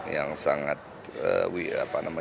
yang sangat memiliki